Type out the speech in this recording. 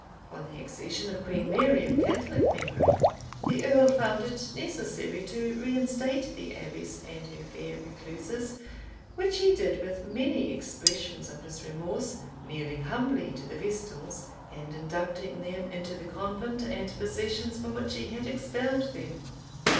On the accession of Queen Mary, of Catholic memory, the Earl found it necessary to reinstate the Abbess and her fair recluses, which he did with many expressions of his remorse, kneeling humbly to the vestals, and inducting them into the convent and possessions from which he had expelled them.